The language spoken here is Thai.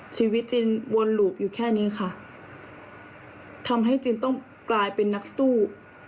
ชีวิตจินวนหลูบอยู่แค่นี้ค่ะทำให้จินต้องกลายเป็นนักสู้